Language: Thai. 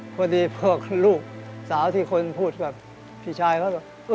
พอดีพ่อลูกสาวที่คนพูดกับพี่ชายเขาแบบ